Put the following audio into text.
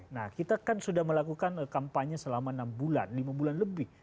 nah kita kan sudah melakukan kampanye selama enam bulan lima bulan lebih